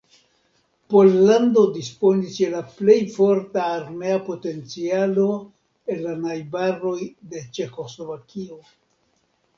Pollando disponis je la plej forta armea potencialo el la najbaroj de Ĉeĥoslovakio.